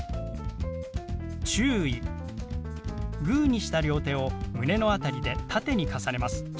グーにした両手を胸の辺りで縦に重ねます。